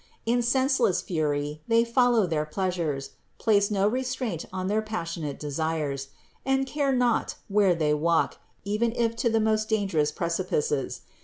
In senseless fury they follow their pleasures, place no restraint on their passionate desires, and care not where they walk, even if to the most dan gerous precipices.